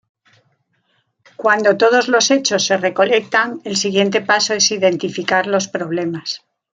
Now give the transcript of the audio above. Cuando todos los hechos se recolectan, el siguiente paso es identificar los problemas.